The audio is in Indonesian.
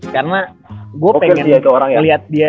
karena gua pengen liat dia